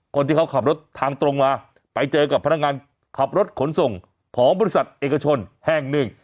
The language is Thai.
คนที่เขาขับรถทางตรงมาไปเจอกับพนักงานขับรถขนส่งของบริษัทเอกชนแห่งหนึ่ง